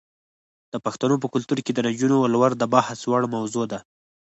د پښتنو په کلتور کې د نجونو ولور د بحث وړ موضوع ده.